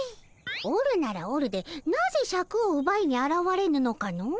おるならおるでなぜシャクをうばいにあらわれぬのかの。